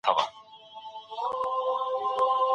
ای د مېرمنو ټولۍ، خیرات کوئ.